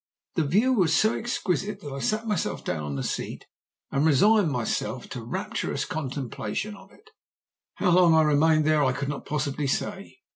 The view was so exquisite that I sat myself down on a seat and resigned myself to rapturous contemplation of it. How long I remained there I could not possibly say.